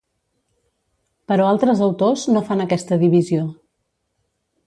Però altres autors no fan aquesta divisió.